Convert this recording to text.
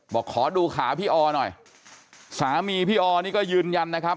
บอกขอดูขาพี่ออหน่อยสามีพี่ออนี่ก็ยืนยันนะครับ